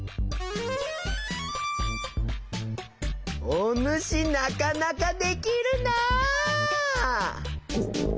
おぬしなかなかできるな！